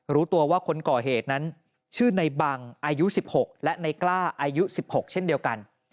รู้ตัวว่าคนก่อเหตุนั้นชื่อในบังอายุ๑๖และในกล้าอายุ๑๖เช่นเดียวกัน